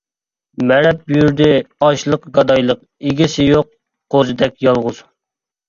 مەرەپ يۈردى ئاچلىق-گادايلىق، ئىگىسى يوق قوزىدەك يالغۇز.